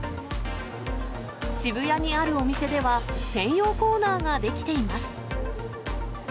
渋谷にあるお店では、専用コーナーが出来ています。